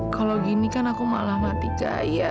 kalau gini kan aku malah mati cahaya